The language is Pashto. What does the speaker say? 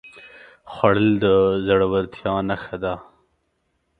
خوړل د زړورتیا نښه ده